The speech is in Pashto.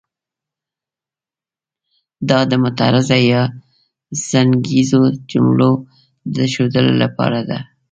دا د معترضه یا څنګیزو جملو د ښودلو لپاره ده.